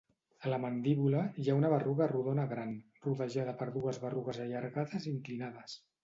A la mandíbula hi ha una berruga rodona gran, rodejada per dues berrugues allargades inclinades.